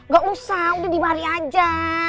gak usah udah di mari aja